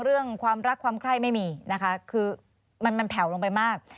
เรื่องความรักความไคร้ไม่มีนะคะคือมันแผ่วลงไปมาก